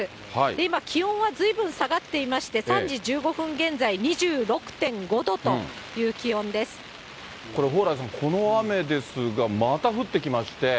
今、気温はずいぶん下がっていまして、３時１５分現在、これ、蓬莱さん、この雨ですが、また降ってきまして。